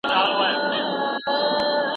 هغه کتاب چي ما لوستی و ډېر زوړ و.